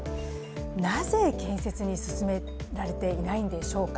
なぜ、建設が進められていないんでしょうか。